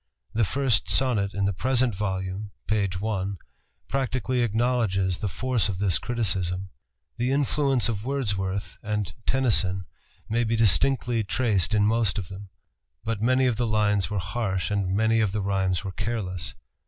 The first sonnet in the present volume (page 1) practically acknowledges the force of this criticism. The influence of Wordsworth and Tennyson may be distinctly traced in most of them. But many of the lines were harsh and many of the rhymes were careless.